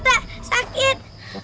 aduh pak rt sakit